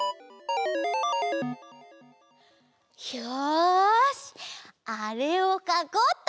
よしあれをかこうっと！